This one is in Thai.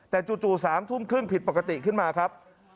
แต่จู่๓ทุ่มครึ่งผิดปกติขึ้นมาครับ